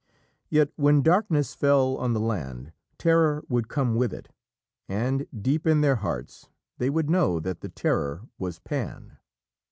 Yet when darkness fell on the land, terror would come with it, and, deep in their hearts, they would know that the terror was Pan.